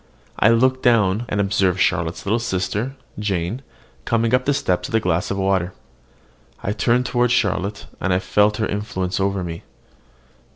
I looked down, and observed Charlotte's little sister, Jane, coming up the steps with a glass of water. I turned toward Charlotte, and I felt her influence over me.